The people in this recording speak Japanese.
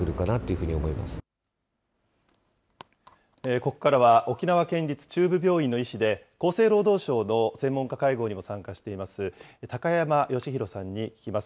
ここからは沖縄県立中部病院の医師で、厚生労働省の専門家会合にも参加しています、高山義浩さんに聞きます。